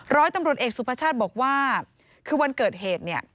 ร้อยตำรวจเอกสุภาชาติบอกว่าคือวันเกิดเหตุเนี่ย